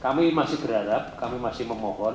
kami masih berharap kami masih memohon